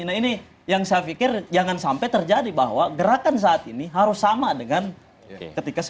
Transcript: nah ini yang saya pikir jangan sampai terjadi bahwa gerakan saat ini harus sama dengan ketika